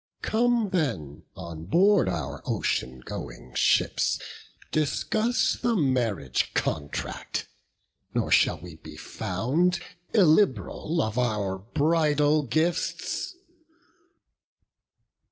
Come then, on board our ocean going ships Discuss the marriage contract; nor shall we Be found illib'ral of our bridal gifts."